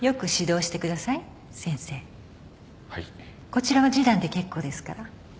こちらは示談で結構ですから。